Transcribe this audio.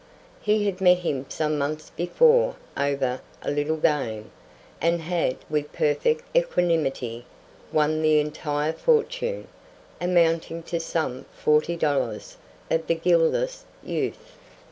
He had met him some months before over a "little game," and had, with perfect equanimity, won the entire fortune amounting to some forty dollars of that guileless youth.